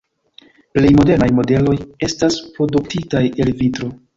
Plej modernaj modeloj estas produktitaj el vitro.